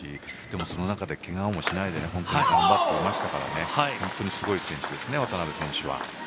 でも、その中でけがもしないで本当に頑張っていましたから本当にすごい選手ですね渡辺選手は。